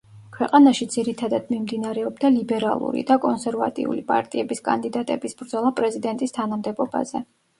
ქვეყანაში ძირითადად მიმდინარეობდა ლიბერალური და კონსერვატიული პარტიების კანდიდატების ბრძოლა პრეზიდენტის თანამდებობაზე.